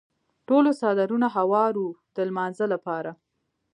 ټولو څادرونه هوار وو د لمانځه لپاره.